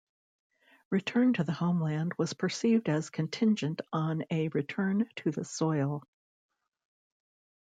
Return to the homeland was perceived as contingent on a return to the soil.